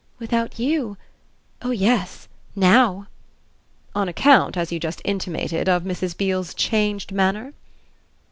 "Without you? Oh yes now." "On account, as you just intimated, of Mrs. Beale's changed manner?"